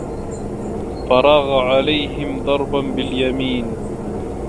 فَراغَ عَلَيهِم ضَربًا بِاليَمينِ